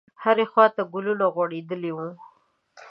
هرې خواته ګلونه غوړېدلي وو.